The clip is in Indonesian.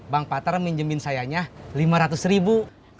bang patra minjemin sayanya lima ratus ribu